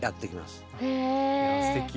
すてき。